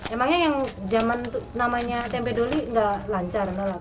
emangnya yang jaman namanya tempe doli gak lancar